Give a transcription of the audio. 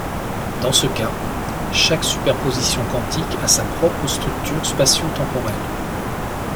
Dans ce cas, chaque superposition quantique a sa propre structure spatiotemporelle.